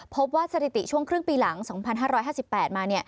สถิติช่วงครึ่งปีหลัง๒๕๕๘มา